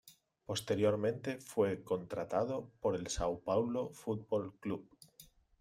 Posteriormente fue contratado por el São Paulo Futebol Clube.